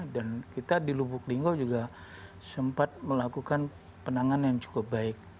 dan kita di lubuk linggau juga sempat melakukan penanganan yang cukup baik